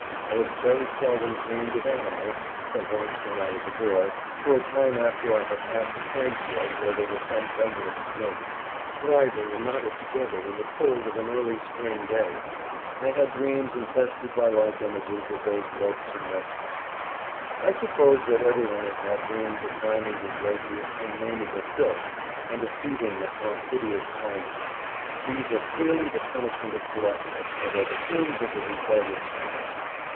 I have very seldom dreamed of animals, though once, when I was a boy, for a time after I had passed a corn field where there were some bundles of snakes, writhen and knotted together in the cold of an early spring day, I had dreams infested by like images of those loathsome reptiles. I suppose that everyone has had dreams of finding his way through unnamable filth and of feeding upon hideous carnage; these are clearly the punishment of gluttony, and are the fumes of a rebellious stomach.